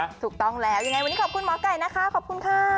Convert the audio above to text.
ยังไงวันนี้ขอบคุณหมอก่ายค่ะ